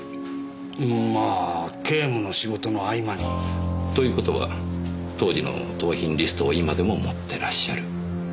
まあ警務の仕事の合間に。という事は当時の盗品リストを今でも持ってらっしゃる。